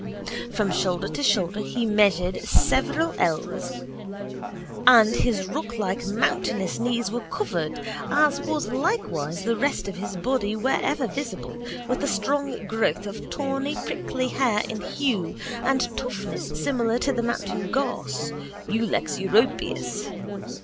From shoulder to shoulder he measured several ells and his rocklike mountainous knees were covered, as was likewise the rest of his body wherever visible, with a strong growth of tawny prickly hair in hue and toughness similar to the mountain gorse (Ulex Europeus).